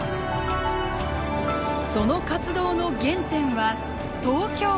その活動の原点は東京湾。